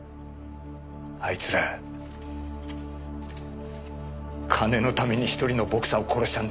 あいつら金のために１人のボクサーを殺したんだ。